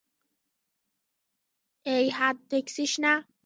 এই হাত দেখছিস না?